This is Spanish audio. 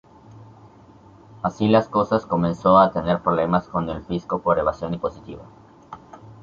Así las cosas comenzó a tener problemas con el fisco por evasión impositiva.